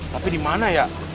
tapi di mana ya